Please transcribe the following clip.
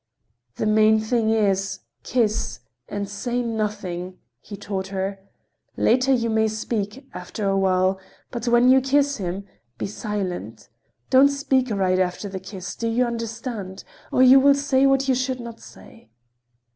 "The main thing is, kiss—and say nothing!" he taught her. "Later you may speak—after a while—but when you kiss him, be silent. Don't speak right after the kiss, do you understand? Or you will say what you should not say."